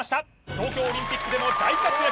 東京オリンピックでも大活躍